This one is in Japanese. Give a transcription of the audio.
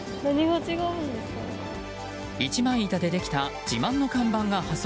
一枚板でできた自慢の看板が破損。